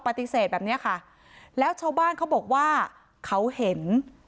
ปฏิเสธแบบเนี้ยค่ะแล้วชาวบ้านเขาบอกว่าเขาเห็น